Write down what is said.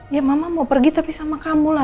ya mama mau pergi tapi sama kamu lah